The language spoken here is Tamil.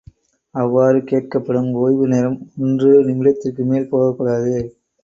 அவ்வாறு கேட்கப்படும் ஒய்வு நேரம் ஒன்று நிமிடத்திற்கு மேல் போகக்கூடாது.